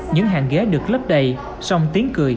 những hàng ghế được lấp đầy song tiếng cười